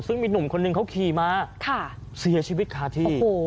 ซึ่งมีหนุ่มคนหนึ่งเขาขี่มาเสียชีวิตคาที่